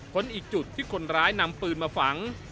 อีกจุดที่คนร้ายนำปืนมาฝัง